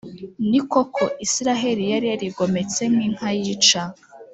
Ni koko, Israheli yari yarigometse nk’inka yica;